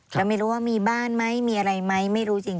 แล้วไม่รู้ว่ามีบ้านไหมมีอะไรไหมไม่รู้จริง